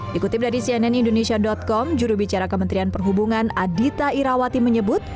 dikutip dari cnn indonesia com jurubicara kementerian perhubungan adita irawati menyebut